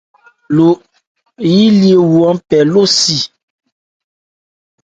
Lo yilyéwo hɛ́npe lo swe.